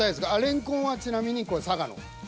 レンコンはちなみに佐賀の。